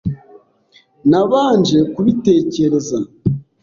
Nabanje kubitekereza.